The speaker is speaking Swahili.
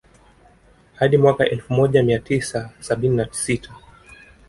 Hadi mwaka elfu moja mia tisa sabini na sita